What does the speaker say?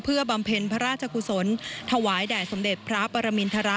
เพื่อบำเพ็ญพระราชกุศลถวายแด่สมเด็จพระปรมินทร